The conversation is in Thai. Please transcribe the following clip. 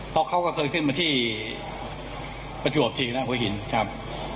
เพราะเขาก็เคยขึ้นมาที่ประจวบชีนะหัวหินครับ